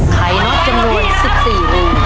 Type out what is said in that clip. ไขน็อตจำนวน๑๔วิง